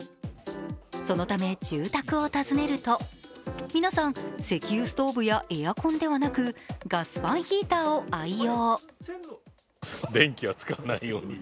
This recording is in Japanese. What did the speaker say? そのため住宅を訪ねると皆さん石油ストーブやエアコンではなくガスファンヒーターを愛用。